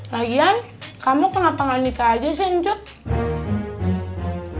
lagian kamu kena tanggal nikah aja sih cucu